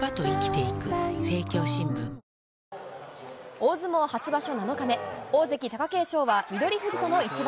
大相撲初場所７日目、大関・貴景勝は翠富士との一番。